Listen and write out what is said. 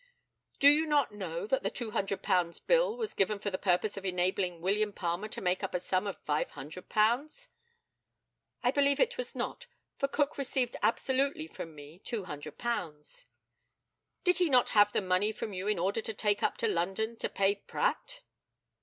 Do you not know that the £200 bill was given for the purpose of enabling William Palmer to make up a sum of £500? I believe it was not, for Cook received absolutely from me £200. Did he not have the money from you in order to take up to London to pay Pratt?